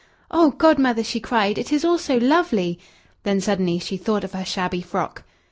"Oh! Godmother," she cried, "it is all so lovely!" Then suddenly she thought of her shabby frock.